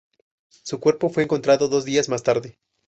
Su cuerpo fue encontrado dos días más tarde.